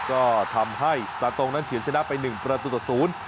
ก็ทำให้ซาตรงนั้นเฉินชนะไป๑ประตูต่อศูนย์